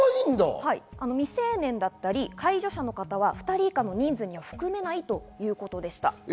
未成年だったり介助者の方は２人以下の人数には含めないということです。